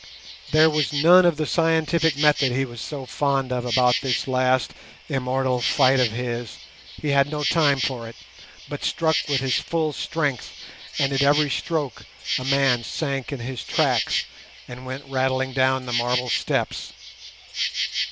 There was none of the scientific method he was so fond of about this last immortal fight of his; he had no time for it, but struck with his full strength, and at every stroke a man sank in his tracks, and went rattling down the marble steps.